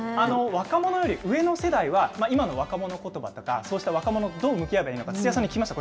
若者より上の世代は、今の若者ことばとか、そうした若者ことばと、どう向き合えばいいのか、土屋さんに聞きました。